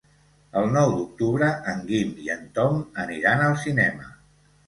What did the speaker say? El nou d'octubre en Guim i en Tom aniran al cinema.